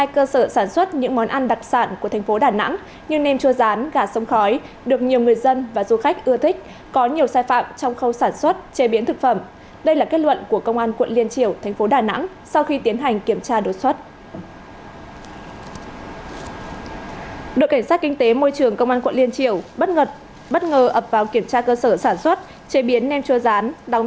cơ sở này sản xuất nem chua rán và bỏ xỉ cho các quán ăn vặt đặc sản tại thành phố đà nẵng